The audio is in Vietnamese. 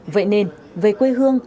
vậy nên về quê hương